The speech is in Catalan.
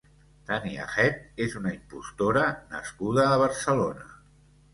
Tania Head és una impostora nascuda a Barcelona.